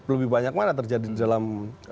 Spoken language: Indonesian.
lebih banyak mana terjadi dalam